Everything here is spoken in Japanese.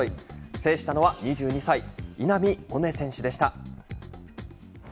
制したのは２２歳、稲見萌寧選手でした。